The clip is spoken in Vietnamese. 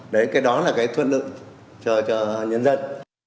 đấy cái đó là cái thuận lợi cho nhân dân